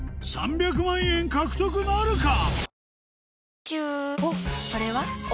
３００万円獲得なるか？